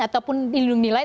ataupun dilindungi nilai